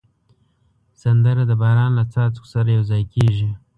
سندره د باران له څاڅکو سره یو ځای کېږي